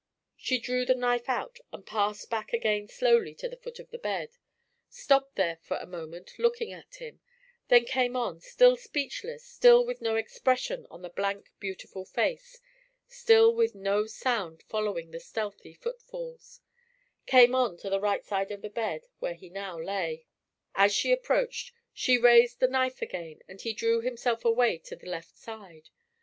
She drew the knife out, and passed back again slowly to the foot of the bed; stopped there for a moment looking at him; then came on still speechless, still with no expression on the blank, beautiful face, still with no sound following the stealthy footfalls came on to the right side of the bed, where he now lay. As she approached, she raised the knife again, and he drew himself away to the left side.